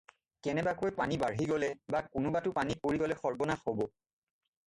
কেনেবাকৈ পানী বাঢ়ি গ'লে বা কোনোবাটো পানীত পৰি গ'লে সৰ্বনাশ হ'ব।